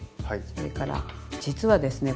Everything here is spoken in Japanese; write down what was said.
それから実はですね